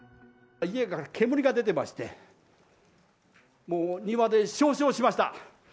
家から煙が出てまして、もう庭で焼死をしました。